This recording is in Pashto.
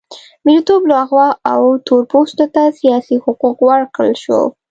مریتوب لغوه او تور پوستو ته سیاسي حقوق ورکړل شول.